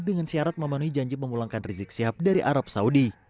dengan syarat memenuhi janji memulangkan rizik sihab dari arab saudi